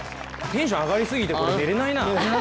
テンション上がりすぎてこれ寝れないな。